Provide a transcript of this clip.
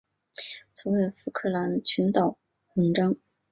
右侧为福克兰群岛纹章。